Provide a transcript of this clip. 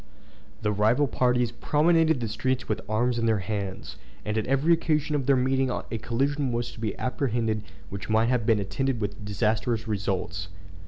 The rival parties promenaded the streets with arms in their hands; and at every occasion of their meeting a collision was to be apprehended which might have been attended with disastrous results.